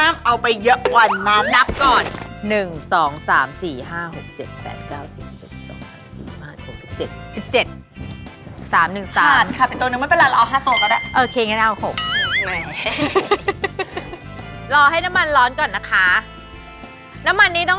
ไม่อยากเอาย๊ะกว่านับก่อน